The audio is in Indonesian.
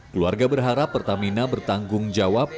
keluarga berharap pertamina bertanggung jawab